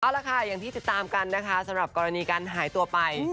เอาละค่ะอย่างที่ติดตามกันนะคะสำหรับกรณีการหายตัวไป